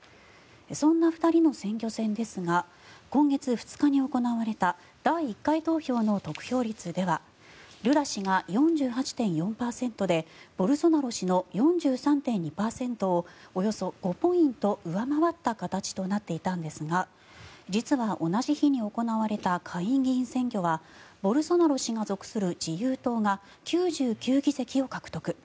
そんな２人の選挙戦ですが今月２日に行われた第１回投票の得票率ではルラ氏が４８．４％でボルソナロ氏の４３．２％をおよそ５ポイント上回った形となっていたんですが実は同じ日に行われた下院議員選挙はボルソナロ氏が属する自由党が９９議席を獲得。